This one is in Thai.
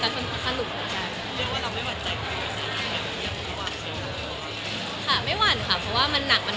เรียกว่าเราไม่ว่าใจคุณ